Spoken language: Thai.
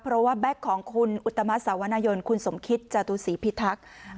เพราะว่าแบ็คของคุณอุตมะสาวนายนคุณสมคิตจตุศรีพิทักษ์